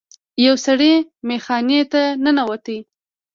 یو سړی میخانې ته ننوت.